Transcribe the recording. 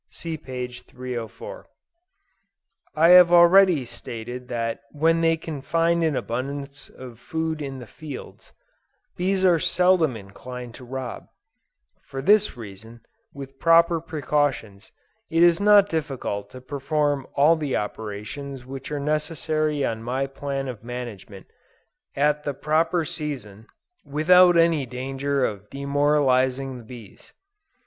(See p. 304.) I have already stated that when they can find an abundance of food in the fields, bees are seldom inclined to rob; for this reason, with proper precautions, it is not difficult to perform all the operations which are necessary on my plan of management, at the proper season, without any danger of demoralizing the bees.